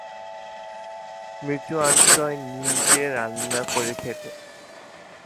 মৃত্যুঞ্জয় নিজে রান্না করে খেত।